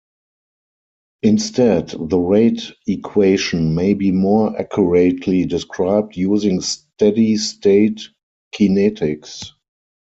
Instead, the rate equation may be more accurately described using steady-state kinetics.